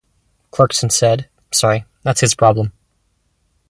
Clarkson said: Sorry that's his problem.